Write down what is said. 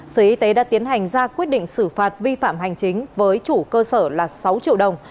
sở y tế đã tiến hành ra quyết định xử phạt vi phạm hành chính với chủ cơ sở là sáu triệu đồng